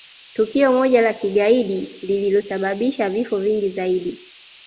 tukio moja la kigaidi lililosababisha vifo vingi zaidi